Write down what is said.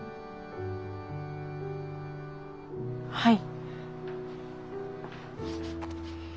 はい。